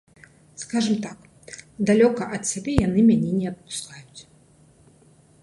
Скажам так, далёка ад сябе яны мяне не адпускаюць.